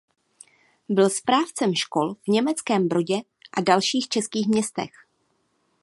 Byl správcem škol v Německém Brodě a dalších českých městech.